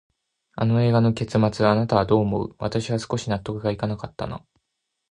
あの映画の結末、あなたはどう思う？私は少し納得いかなかったな。